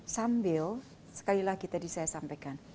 sambil sekali lagi tadi saya sampaikan